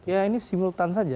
ya ini simultan saja